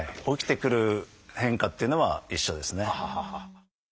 起きてくる変化っていうのは一緒ですね。